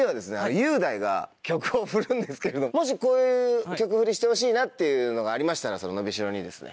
雄大が曲をふるんですけどもしこういう曲フリしてほしいなっていうのがありましたらその『のびしろ』にですね。